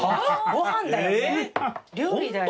ご飯だよね。